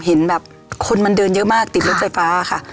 เห็นคนเดินเยอะมากติดรถไฟฟ้า